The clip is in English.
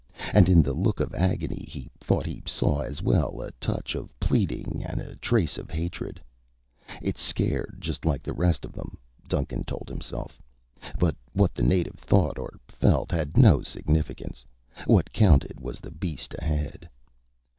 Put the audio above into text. And in the look of agony he thought he saw as well a touch of pleading and a trace of hatred. It's scared, just like the rest of them, Duncan told himself. But what the native thought or felt had no significance; what counted was the beast ahead.